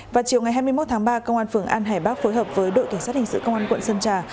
vào chiều ngày hai mươi một tháng ba công an phường an hải bắc phối hợp với đội cảnh sát hình sự công an quận sơn trà